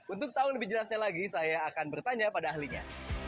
untuk tahu lebih jelasnya lagi saya akan bertanya pada ahlinya